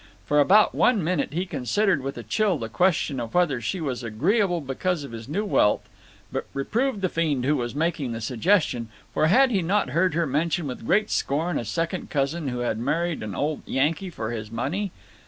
For about one minute he considered with a chill the question of whether she was agreeable because of his new wealth, but reproved the fiend who was making the suggestion; for had he not heard her mention with great scorn a second cousin who had married an old Yankee for his money?